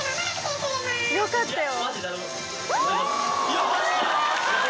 よかったよ。